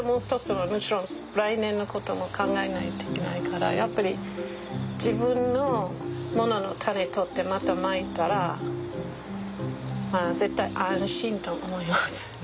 もちろん来年のことも考えないといけないからやっぱり自分のもののタネ取ってまたまいたら絶対安心と思いますね。